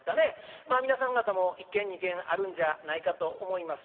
皆さん方も一軒二軒あるんじゃないかと思います。